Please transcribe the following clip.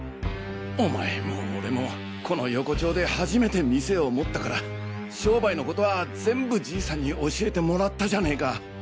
お前も俺もこの横丁で初めて店を持ったから商売のことは全部じいさんに教えてもらったじゃねぇか。